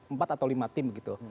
empat atau lima tim begitu